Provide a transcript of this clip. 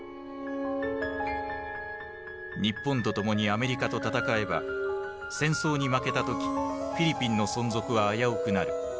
日本と共にアメリカと戦えば戦争に負けた時フィリピンの存続は危うくなる。